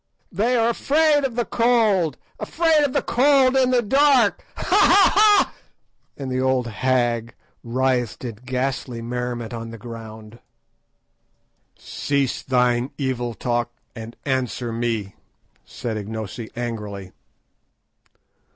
They are afraid of the cold, afraid of the cold and the dark, ha! ha! ha!" and the old hag writhed in ghastly merriment on the ground. "Cease thine evil talk and answer me," said Ignosi angrily.